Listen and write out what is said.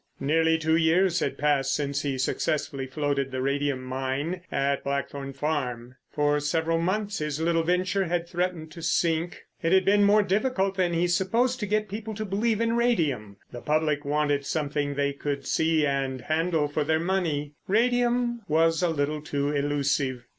Nearly two years had passed since he successfully floated the radium mine at Blackthorn Farm. For several months his little venture had threatened to sink. It had been more difficult than he supposed to get people to believe in radium. The public wanted something they could see and handle for their money. Radium was a little too elusive.